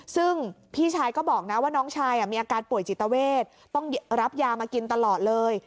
ซึ่งพี่ชายก็บอกนะว่าน้องชายมีอาการป่วยจิตเวทต้องรับยามากินตลอดเลย